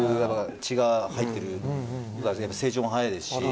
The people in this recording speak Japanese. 成長も早いですし。